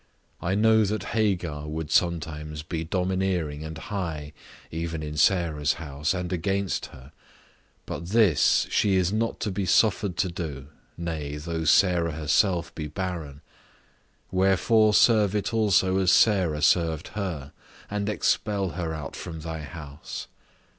I know that Hagar would sometimes be domineering and high, even in Sarah's house, and against her; but this she is not to be suffered to do, nay, though Sarah herself be barren; wherefore, serve it also as Sarah served her, and expel her out from thy house.